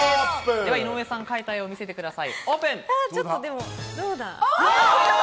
では井上さん、描いた絵を見せてください。